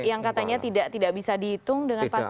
yang katanya tidak bisa dihitung dengan pasti